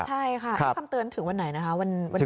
ใช่ค่ะแล้วคำเตือนถึงวันไหนนะคะ